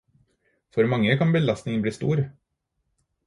For mange kan belastningen bli stor.